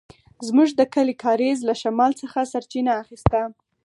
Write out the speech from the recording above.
زموږ د کلي کاریز له شمال څخه سرچينه اخيسته.